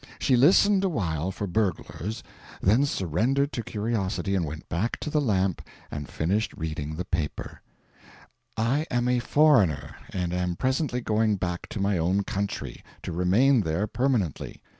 She listened awhile for burglars, then surrendered to curiosity, and went back to the lamp and finished reading the paper: "I am a foreigner, and am presently going back to my own country, to remain there permanently.